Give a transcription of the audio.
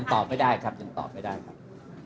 ตอบไม่ได้ครับยังตอบไม่ได้ครับ